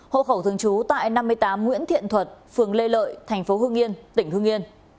hộ khẩu thường trú tại năm mươi tám nguyễn thiện thuật phường lê lợi thành phố hương yên tỉnh hương yên